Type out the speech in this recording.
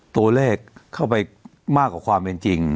ตัวเลขเข้าไปมากกว่าความเป็นจริง